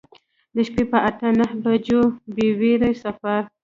د شپې په اته نهه بجو بې ویرې سفر.